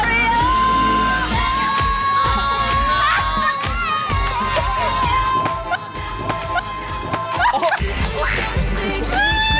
วันนี้ไว้โอ้